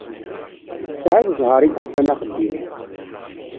Tesεiḍ ẓẓher i yufan axeddim.